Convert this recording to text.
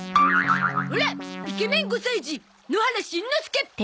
オライケメン５歳児野原しんのすけ。